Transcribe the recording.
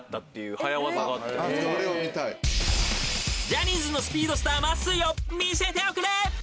［ジャニーズのスピードスターまっすーよ見せておくれ］